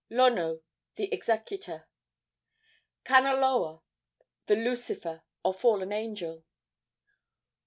Lono, the executor. Kanaloa, the Lucifer, or fallen angel.